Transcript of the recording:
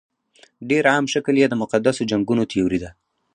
ډېر عام شکل یې د مقدسو جنګونو تیوري ده.